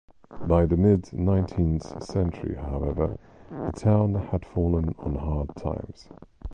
By the mid-nineteenth century, however, the town had fallen on hard times.